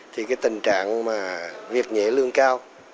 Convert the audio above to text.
thì cái tình trạng việc nhẹ lương cao